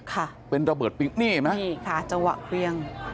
ค่ะเป็นระเบิดปิ๊งนี่เห็นไหมนี่ค่ะจังหวะเครื่อง